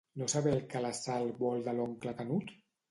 ¿No saber el que la Sal vol de l'oncle Canut?